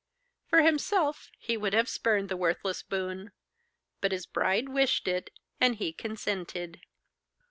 For himself he would have spurned the worthless boon; but his bride wished it, and he consented.